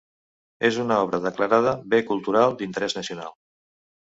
És una obra declarada Bé Cultural d'Interès Nacional.